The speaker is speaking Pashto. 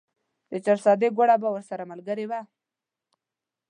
د چارسدې ګوړه به ورسره ملګرې وه.